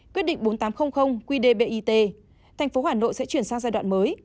quyết định bốn nghìn tám trăm linh qdbit thành phố hà nội sẽ chuyển sang giai đoạn mới